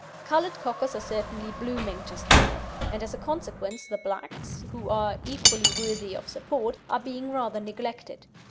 Coloured Cockers are certainly "booming" just now, and as a consequence the blacks, who are equally worthy of support, are being rather neglected.